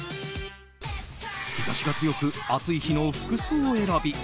日差しが強く暑い日の服装選び。